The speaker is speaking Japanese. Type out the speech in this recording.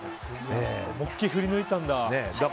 大きく振り抜いたんだ。